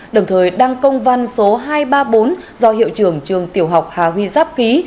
đồng thời đăng công văn số hai trăm ba mươi bốn do hiệu trưởng trường tiểu học hà huy giáp ký